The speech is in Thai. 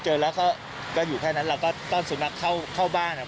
เจอแล้วก็อยู่แค่นั้นเราก็ต้อนสุนัขเข้าบ้านครับ